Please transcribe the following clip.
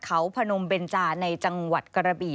เขาพนมเบนจาในจังหวัดกระบี่